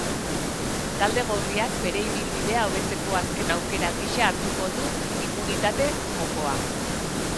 Talde gorriak bere ibilbidea hobetzeko azken aukera gisa hartuko du immunitate-jokoa.